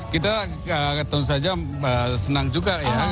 kita tentu saja senang juga ya